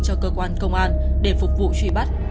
cho cơ quan công an để phục vụ truy bắt